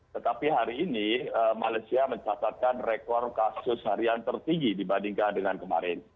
tetapi hari ini malaysia mencatatkan rekor kasus harian tertinggi dibandingkan dengan kemarin